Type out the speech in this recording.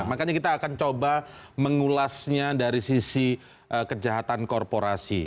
makanya kita akan coba mengulasnya dari sisi kejahatan korporasi